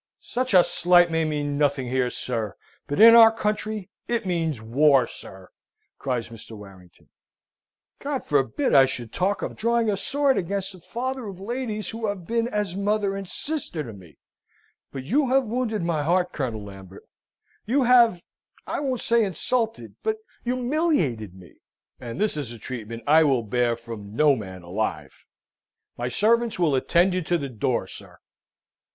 "Such a slight may mean nothing here, sir, but in our country it means war, sir!" cries Mr. Warrington. "God forbid I should talk of drawing a sword against the father of ladies who have been as mother and sister to me: but you have wounded my heart, Colonel Lambert you have, I won't say insulted, but humiliated me, and this is a treatment I will bear from no man alive! My servants will attend you to the door, sir!"